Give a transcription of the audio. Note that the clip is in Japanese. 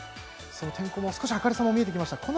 その天候も少し明るさも見えてきました。